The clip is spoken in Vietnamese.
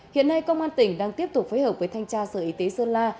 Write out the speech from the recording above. hiện nay công an tỉnh đang tiếp tục phối hợp với thanh tra sở y tế sơn la